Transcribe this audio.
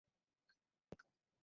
উনার নাম কি বলুন তো!